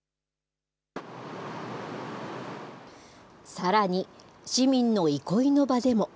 さらに、市民の憩いの場でも。